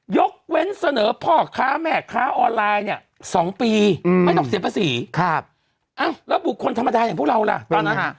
ยกเว้นเสนอพ่อค้าแม่ค้าออนไลน์เนี่ยสองปีอืมไม่ต้องเสียภาษีครับเอ้าแล้วบุคคลธรรมดาอย่างพวกเราล่ะตอนนั้นเป็นยังไงฮะ